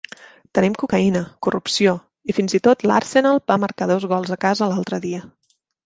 Tenim cocaïna, corrupció i, fins i tot, l'Arsenal va marcar dos gols a casa l'altre dia.